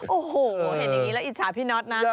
โอ้โหเห็นอย่างนี้แล้วอิจฉาพี่น็อตนะ